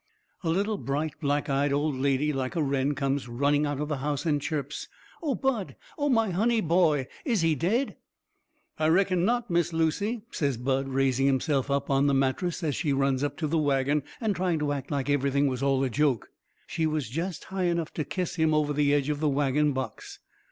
A little, bright, black eyed old lady like a wren comes running out of the house, and chirps: "O Bud O my honey boy! Is he dead?" "I reckon not, Miss Lucy," says Bud raising himself up on the mattress as she runs up to the wagon, and trying to act like everything was all a joke. She was jest high enough to kiss him over the edge of the wagon box.